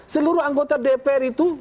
seluruh anggota dpr itu